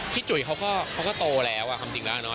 จุ๋ยเขาก็โตแล้วความจริงแล้วเนาะ